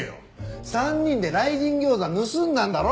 ３人で雷神餃子盗んだんだろ？